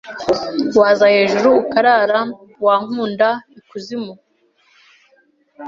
Waza hejuru ukarara Wankunda ikuzimu